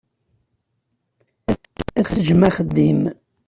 Ad teǧǧem axeddim.